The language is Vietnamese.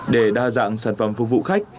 để đa dạng sản phẩm phục vụ khách